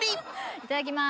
いただきます。